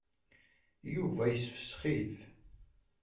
Yuba yessefsex-it.